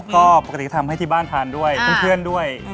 ก็ปกติทำให้ที่บ้านทานด้วยเพื่อนด้วย